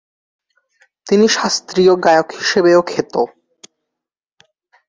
তিনি শাস্ত্রীয় গায়ক হিসেবেও খ্যাত।